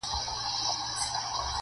تسلیت لره مي راسی لږ یې غم را سره یوسی,